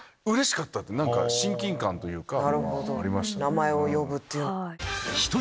名前を呼ぶっていう。